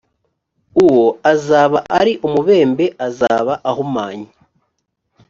uwo azaba ari umubembe azaba ahumanye